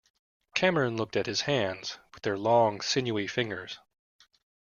Cameron looked at his hands with their long, sinewy fingers.